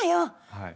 はい。